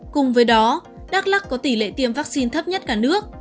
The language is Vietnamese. cùng với đó đắk lắc có tỷ lệ tiêm vaccine thấp nhất cả nước